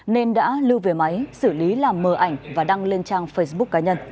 nên đã lưu về máy xử lý làm mờ ảnh và đăng lên trang facebook cá nhân